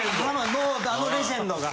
もうあのレジェンドが。